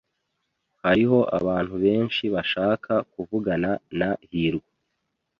Hariho abantu benshi bashaka kuvugana na hirwa.